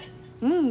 うん！